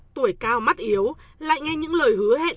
tuổi cao mắt yếu lại nghe những lời hứa hẹn